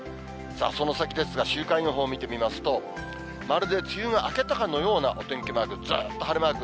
さあ、その先ですが、週間予報を見てみますと、まるで梅雨が明けたかのようなお天気マーク。